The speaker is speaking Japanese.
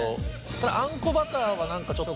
ただあんこバターは何かちょっと。